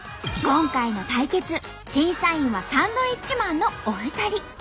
今回の対決審査員はサンドウィッチマンのお二人。